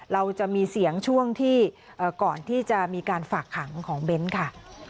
เราจะมีเสียงช่วงที่ก่อนที่จะมีการฝากขังของเบ้นค่ะ